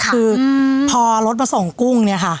คือพอรถมาส่งกุ้งเนี่ยค่ะ